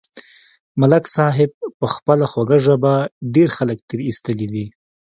ملک صاحب په خپله خوږه ژبه ډېر خلک تېر ایستلي دي.